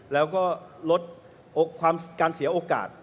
แล้วก็ลดการเสียโอกาส